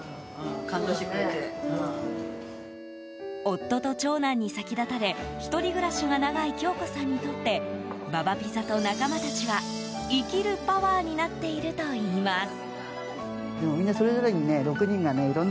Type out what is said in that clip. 夫と長男に先立たれ１人暮らしが長い京子さんにとってＢａＢａピザと仲間たちは生きるパワーになっているといいます。